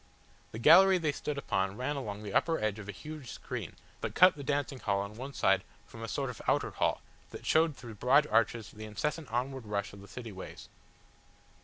The gallery they stood upon ran along the upper edge of a huge screen that cut the dancing hall on one side from a sort of outer hall that showed through broad arches the incessant onward rush of the city ways.